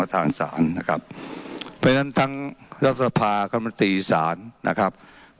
เพราะฉะนั้นทั้งรัฐสภาพกรรมนตรีศาลนะครับ